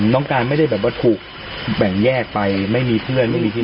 น้องการไม่ได้แบบว่าถูกแบ่งแยกไปไม่มีเพื่อนไม่มีที่